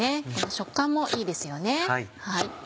食感もいいですよね。